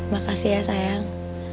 makasih ya sayang